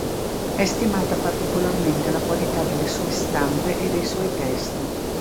È stimata particolarmente la qualità delle sue stampe e dei suoi testi.